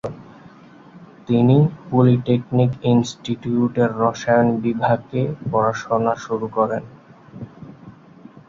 তিনি পলিটেকনিক ইনস্টিটিউটের রসায়ন বিভাগে পড়াশোনা শুরু করেন।